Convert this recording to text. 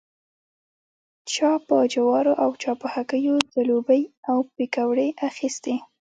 چا په جوارو او چا په هګیو ځلوبۍ او پیکوړې اخيستې.